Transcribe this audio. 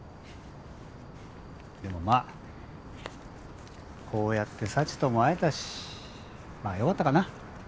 でもまあこうやって幸とも会えたしまあ良かったかな。